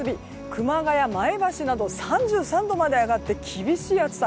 熊谷、前橋など３３度まで上がって厳しい暑さ。